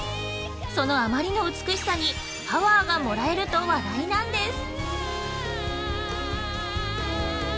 そのあまりの美しさにパワーがもらえると話題なんです。